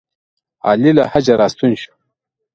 علي له حجه راستون شو.